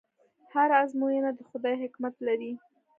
هره ازموینه د خدای حکمت لري.